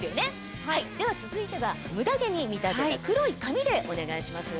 では続いてはムダ毛に見立てた黒い紙でお願いします。